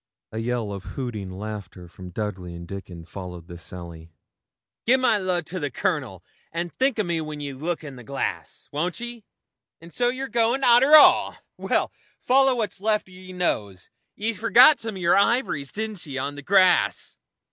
A yell of hooting laughter from Dudley and Dickon followed this sally. 'Gi'e my love to the Colonel, and think o' me when ye look in the glass won't ye? An' so you're goin' arter all; well, follow what's left o' yer nose. Ye forgot some o' yer ivories, didn't ye, on th' grass?'